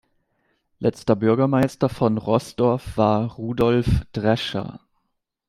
Letzter Bürgermeister von Roßdorf war Rudolf Drescher.